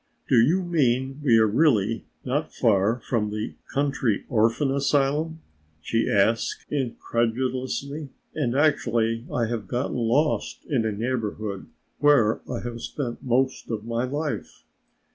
"Do you mean we are really not far from the Country Orphan Asylum?" she asked incredulously. "And actually I have gotten lost in a neighborhood where I have spent most of my life!